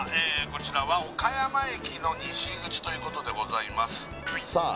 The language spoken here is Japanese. こちらは岡山駅の西口ということでございますさあ